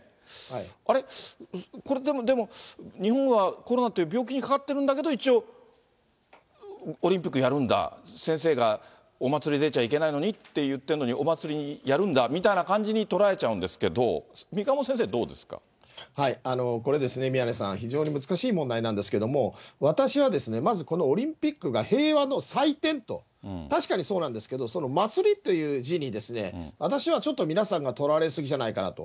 あれ、これ、でも日本はコロナっていう病気にかかってるんだけど、一応、オリンピックやるんだ、先生がお祭り出ちゃいけないのにって言ってるのに、お祭りやるんだみたいな感じに捉えちゃうんですけど、これですね、宮根さん、非常に難しい問題なんですけども、私は、まずこのオリンピックが平和の祭典と、確かにそうなんですけど、祭りという字に、私はちょっと皆さんがとらわれすぎじゃないかなと。